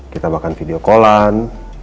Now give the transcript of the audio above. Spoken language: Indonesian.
kita bahkan video callan